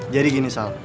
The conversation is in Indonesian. jadi gini sal